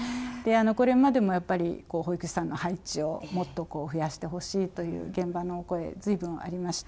これまでもやっぱり保育士さんの配置をもっと増やしてほしいという現場のお声、ずいぶんありました。